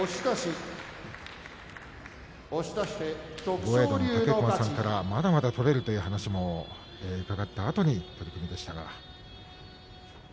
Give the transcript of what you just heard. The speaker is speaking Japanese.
豪栄道の武隈さんからまだまだ取れるという話も伺ったあとの取組でした。